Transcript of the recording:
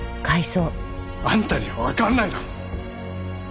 あんたにはわからないだろ。